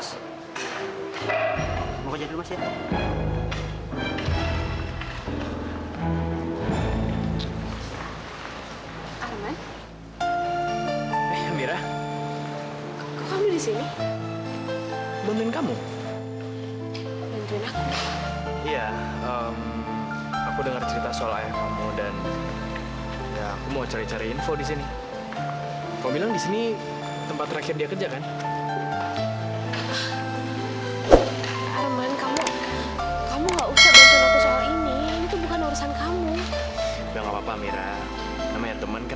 sampai jumpa di video selanjutnya